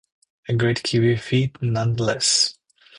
A great Kiwi feat none-the-less.